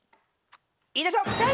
いいでしょう